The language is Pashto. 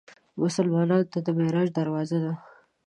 مسلمانانو ته د معراج دروازه ده.